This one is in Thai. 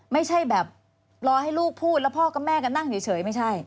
ไม่ใช่แบบรอให้ลูกพูดแล้วพ่อกับแม่ก็นั่งเฉยไม่ใช่